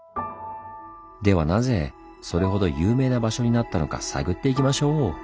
ではなぜそれほど有名な場所になったのか探っていきましょう！